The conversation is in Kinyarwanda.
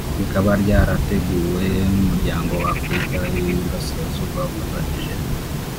rikaba ryarateguwe n’umuryango wa Afurika y’Iburasirazuba ufatanyije